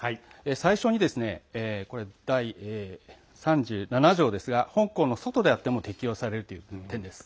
最初に、第３７条ですが香港の外でも適用される点です。